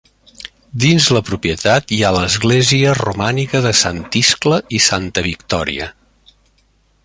Dins la propietat hi ha l'església romànica de Sant Iscle i Santa Victòria.